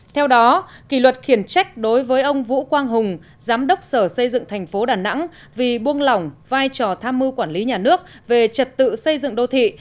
theo đó kỷ luật khiển trách đối với ông vũ quang hùng giám đốc sở xây dựng thành phố đà nẵng vì buông lỏng vai trò tham mưu quản lý nhà nước về trật tự xây dựng đô thị